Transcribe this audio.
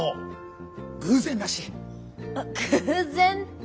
偶然って？